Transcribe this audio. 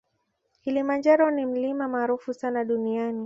Kilimanjaro ni mlima maarufu sana duniani